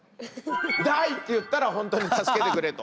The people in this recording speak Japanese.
「Ｄｉｅ！」って言ったら本当に助けてくれと。